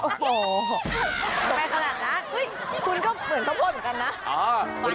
โอ้โหไปขนาดนั้นคุณก็เหมือนข้าวโพดเหมือนกันนะ